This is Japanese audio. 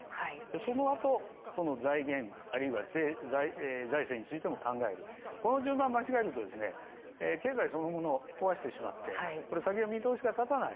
そのあと、この財源あるいは財政についても考えるというこの順番を間違えると経済そのものを壊してしまって先の見通しが立たない。